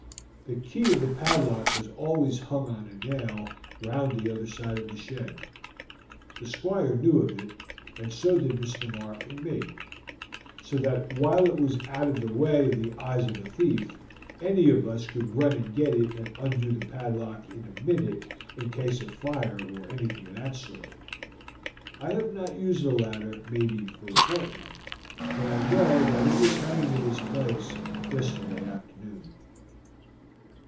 The key of the padlock was always hung on a nail round the other side of the shed. The Squire knew of it, and so did Mr. Mark and me; so that while it was out of the way of the eyes of a thief, any of us could run and get it and undo the padlock in a minute in case of fire or anything of that sort. I have not used the ladder, maybe, for a fortnight, but I know that it was hanging in its place yesterday afternoon."